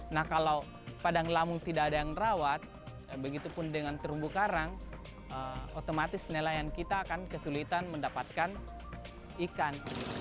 nah kalau padang lamung tidak ada yang rawat begitu pun dengan terumbu karang otomatis nelayan kita akan kesulitan mendapatkan ikan